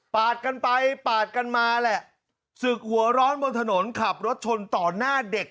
กันไปปาดกันมาแหละศึกหัวร้อนบนถนนขับรถชนต่อหน้าเด็ก